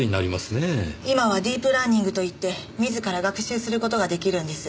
今はディープラーニングといって自ら学習する事が出来るんです。